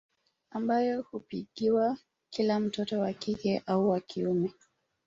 Ambayo hupigiwa kila mtoto wa kike au wa kiume